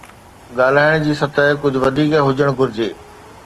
ڳالهائڻ جي سطح ڪجهه وڌيڪ هجڻ گهرجي.